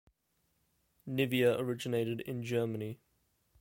Nivea originated in Germany.